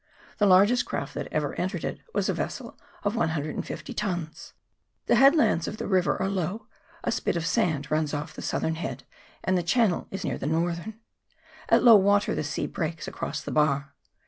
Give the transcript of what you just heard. The largest craft that ever entered it was a vessel of 150 tons. The headlands of the river are low ; a spit of sand runs off the southern head, and the channel is near the northern. At low water the sea breaks across the bar.